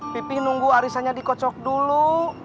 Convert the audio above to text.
pipih nunggu arisannya dikocok dulu